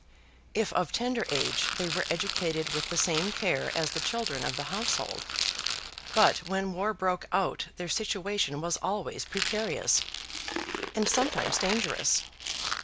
If of tender age they were educated with the same care as the children of the household. But when war broke out their situation was always precarious, and sometimes dangerous.